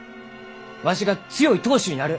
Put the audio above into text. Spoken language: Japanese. わしが強い当主になる。